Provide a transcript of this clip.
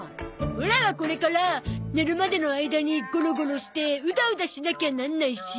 オラはこれから寝るまでの間にゴロゴロしてうだうだしなきゃなんないし。